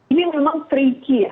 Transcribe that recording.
ini memang tricky ya